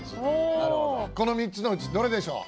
この３つのうちどれでしょう？